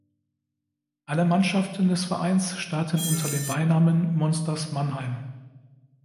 Alle Mannschaften des Vereins starten unter dem Beinamen "Monsters Mannheim".